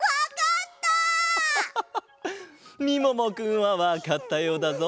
みももくんはわかったようだぞ。